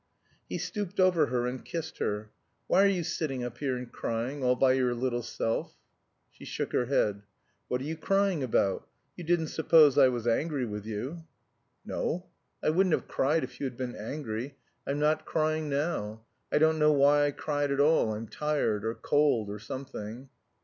He stooped over her and kissed her. "Why are you sitting up here and crying, all by your little self?" She shook her head. "What are you crying about? You didn't suppose I was angry with you?" "No. I wouldn't have cried if you had been angry. I'm not crying now. I don't know why I cried at all. I'm tired, or cold, or something."